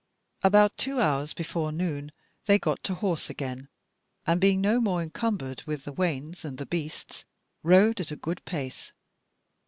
About two hours before noon they got to horse again, and, being no more encumbered with the wains and the beasts, rode at a good pace.